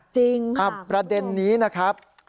จริงค่ะคุณผู้ชมประเด็นนี้นะครับ